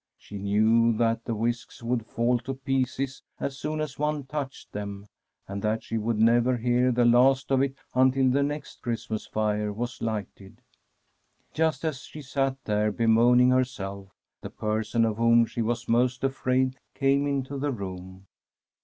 She knew that the whisks would fall to pieces as soon as one touched them, and that she would never hear the last of it until the next Christmas fire was lighted. Just as she sat there bemoaning herself, the per son of whom she was most afraid came into the room.